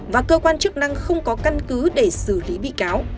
và cơ quan chức năng không có căn cứ để xử lý bị cáo